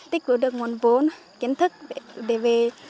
tích cử được nguồn vốn kiến thức để về